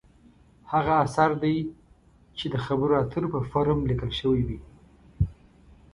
هغه اثر دی چې د خبرو اترو په فورم لیکل شوې وي.